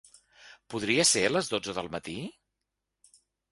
Podria ser a les dotze del matí?